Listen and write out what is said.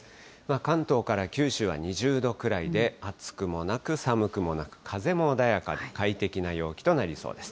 関東から九州は２０度くらいで、暑くもなく、寒くもなく、風も穏やかで快適な陽気となりそうです。